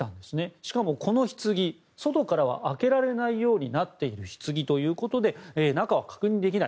しかも、このひつぎ外からは開けられないようになっているひつぎということで中を確認できない。